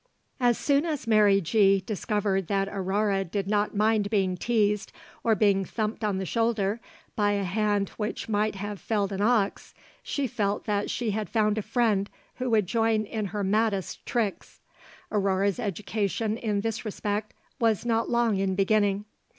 As soon as Mary G. discovered that Aurore did not mind being teased or being thumped on the shoulder by a hand which might have felled an ox, she felt that she had found a friend who would join in her maddest tricks. Aurore's education in this respect was not long in beginning.